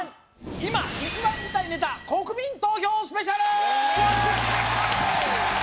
今一番見たいネタ国民投票スペシャルイエーイ！